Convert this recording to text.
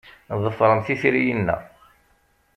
Ḍefremt itri-inna.